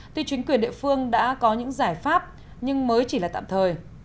thì chính quyền địa phương đã có những giải pháp nhưng mới chỉ là tạm thời